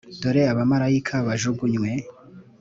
dore abamarayika bajugunywe,